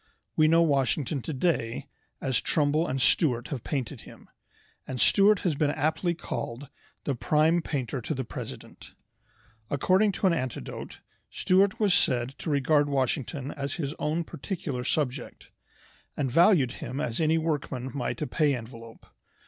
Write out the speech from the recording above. We know Washington today as Trumbull and Stuart have painted him, and Stuart has been aptly called the "prime painter to the president." According to an anecdote, Stuart was said to regard Washington as his own particular subject, and valued him as any workman might a "pay envelope."